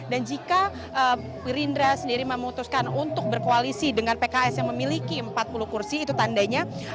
dan jika gerindra sendiri memutuskan untuk berkoalisi dengan pks yang memiliki empat puluh kursi itu tandanya